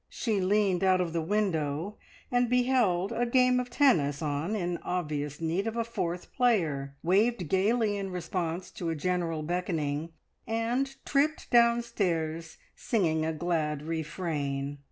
She leaned out of the window and beheld a game of tennis on in obvious need of a fourth player, waved gaily in response to a general beckoning, and tripped downstairs singing a glad refrain.